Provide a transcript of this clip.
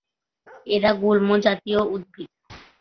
এরা গুল্মজাতীয় উদ্ভিদ।